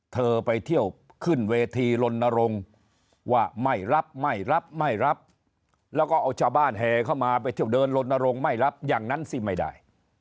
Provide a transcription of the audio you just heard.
เธอไปเที่ยวขึ้นเวทีลนรงค์ว่าไม่รับไม่รับไม่รับแล้วก็เอาชาวบ้านแห่เข้ามาไปเที่ยวเดินลนรงค์ไม่รับอย่างนั้นสิไม่ได้